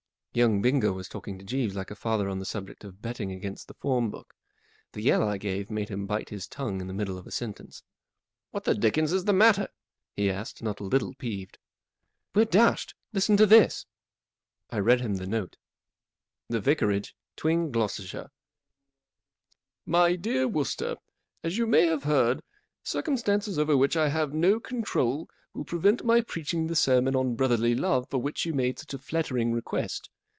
Young Bingo was talking to Jeeves like a father on the subject of betting against the form book. The yell I gave made him bite his tongue in the middle of a sentence. 44 What the dickens is the matter ?" he asked, not a little peeved. 44 We're dished ! Listen to this !" 487 I read him the note :— 44 The Vicarage, 44 Twing, Glos. 44 My Dear Wooster, —As you may have heard, circumstances over which I have no control will prevent my preaching the ser¬ mon on Brotherly Love for which you made such a flattering request.